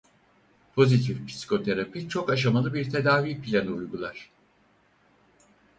Pozitif Psikoterapi çok aşamalı bir tedavi planı uygular.